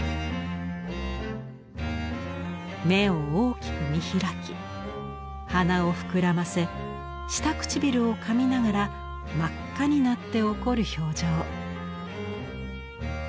目を大きく見開き鼻を膨らませ下唇をかみながら真っ赤になって怒る表情。